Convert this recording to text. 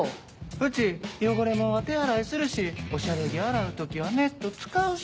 うち汚れもんは手洗いするしおしゃれ着洗う時はネット使うし。